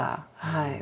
はい。